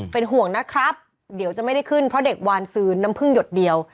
เป็นห่วงนะครับเดี๋ยวจะไม่ได้ขึ้นเพราะเด็กวานซื้อน้ำพึ่งหยดเดียว